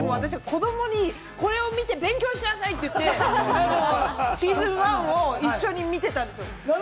子どもにこれを見て勉強しなさいと言って、Ｓｅａｓｏｎ１も一緒に見てたんですよ。